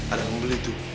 ada pembeli itu